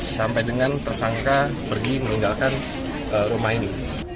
sampai dengan tersangka pergi meninggalkan rumah ini